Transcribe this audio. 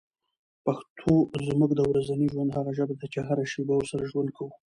پښتو زموږ د ورځني ژوند هغه ژبه ده چي هره شېبه ورسره ژوند کوو.